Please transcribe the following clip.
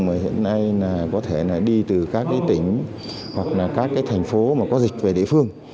mà hiện nay có thể đi từ các tỉnh hoặc là các thành phố mà có dịch về địa phương